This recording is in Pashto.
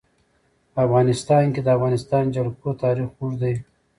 په افغانستان کې د د افغانستان جلکو تاریخ اوږد دی.